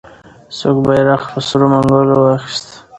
څوک بیرغ په سرو منګولو واخیست؟